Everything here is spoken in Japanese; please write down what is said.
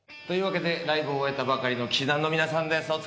というわけでライブを終えたばかりの氣志團の皆さんです。